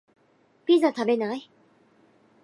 ピザ食べない？